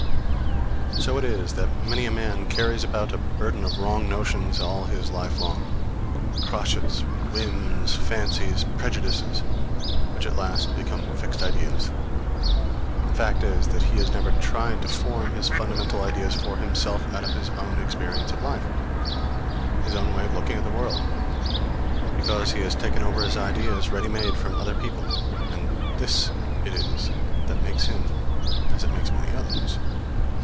So it is that many a man carries about a burden of wrong notions all his life long crotchets, whims, fancies, prejudices, which at last become fixed ideas. The fact is that he has never tried to form his fundamental ideas for himself out of his own experience of life, his own way of looking at the world, because he has taken over his ideas ready made from other people; and this it is that makes him as it makes how many others!